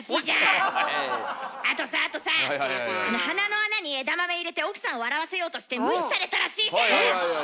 あとさあとさ鼻の穴に枝豆入れて奥さん笑わせようとして無視されたらしいじゃん！